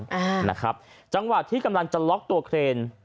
อ่านะครับจังหวะที่กำลังจะล็อกตัวเครน